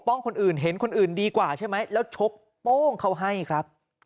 คนอื่นเห็นคนอื่นดีกว่าใช่ไหมแล้วชกโป้งเขาให้ครับ